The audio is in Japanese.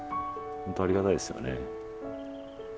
本当ありがたいですよね。